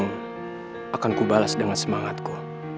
yang akan kubalas dengan semangatku